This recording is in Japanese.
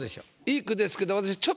いい句ですけど